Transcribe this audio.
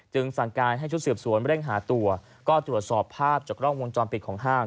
สั่งการให้ชุดสืบสวนเร่งหาตัวก็ตรวจสอบภาพจากกล้องวงจรปิดของห้าง